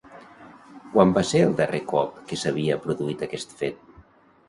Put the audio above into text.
Quan va ser el darrer cop que s'havia produït aquest fet?